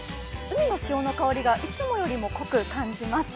海の潮の香りがいつもよりも濃く感じます。